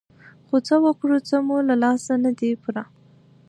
خو څه وکړو څه مو له لاسه نه دي پوره.